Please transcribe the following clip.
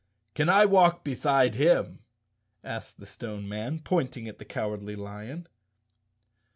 "Can I walk beside him?" asked the Stone Man, pointing at the Cowardly Lion.